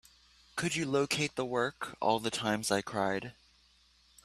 Could you locate the work, All the Times I Cried?